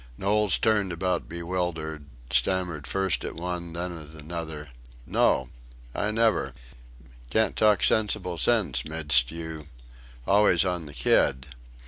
Knowles turned about bewildered; stammered first at one, then at another. "No!... I never!... can't talk sensible sense midst you.... Always on the kid."